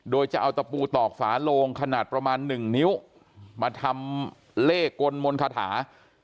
โดยจะเอาตะปูตอกฝาโลงขนาดประมาณ๑นิ้วมาทำเลขกลมนต์คาถา